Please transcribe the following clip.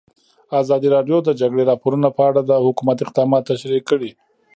ازادي راډیو د د جګړې راپورونه په اړه د حکومت اقدامات تشریح کړي.